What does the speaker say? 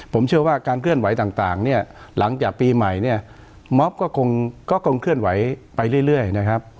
ผมเชื่อว่าการเคลื่อนไหวต่างเนี่ยหลังจากปีใหม่เนี่ยมอบก็คงเคลื่อนไหวไปเรื่อยนะครับ